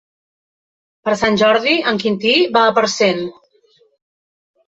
Per Sant Jordi en Quintí va a Parcent.